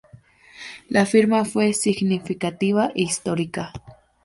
La firma fue significativa e histórica.